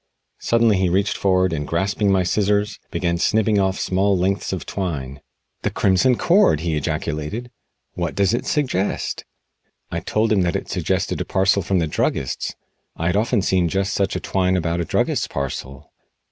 Suddenly he reached forward, and grasping my scissors, began snipping off small lengths of the twine. "The Crimson Cord!" he ejaculated. "What does it suggest?" I told him that it suggested a parcel from the druggist's. I had often seen just such twine about a druggist's parcel.